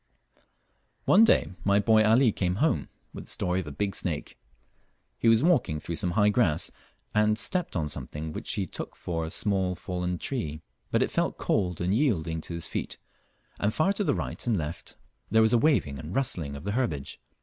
One day my boy Ali came home with a story of a big snake. He was walking through some high grass, and stepped on something which he took for a small fallen tree, but it felt cold and yielding to his feet, and far to the right and left there was a waving and rustling of the herbage.